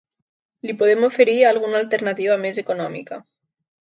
Li podem oferir alguna alternativa més econòmica.